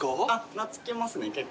懐きますね結構。